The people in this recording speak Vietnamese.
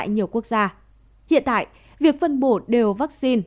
nhiều quốc gia hiện tại việc phân bổ đều vaccine